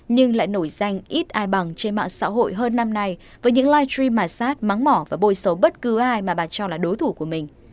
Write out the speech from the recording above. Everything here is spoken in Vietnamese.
nhưng lại nổi danh ít ai bằng trên mạng xã hội hơn năm nay với những livestream massage mắng mỏ và bôi xấu bất cứ ai mà bà cho là đối thủ của mình